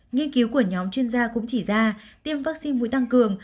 nhiên cứu của nhóm chuyên gia cũng chỉ ra tiêm vaccine vui tăng cường